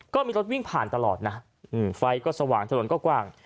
ก็มีรถวิ่งผ่านตลอดนะไฟก็สว่างถนนก็กว้าง